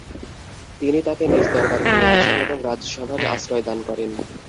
তিনি তাকে নিজ দরবারে নিয়ে আসেন এবং রাজসভায় আশ্রয় দান করেন।